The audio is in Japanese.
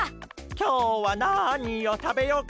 きょうはなにをたべようか。